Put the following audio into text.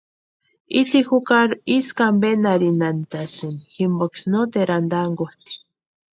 Itsï jukari isku ampenharhinhasïnti jimposï noteru antankutʼi.